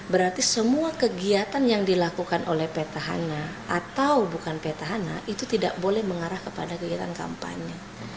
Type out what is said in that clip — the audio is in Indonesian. berarti semua kegiatan yang dilakukan oleh petahana atau bukan petahana itu tidak boleh mengarah kepada kegiatan kampanye